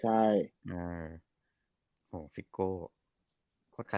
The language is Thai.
ใช่โอ้คิดก็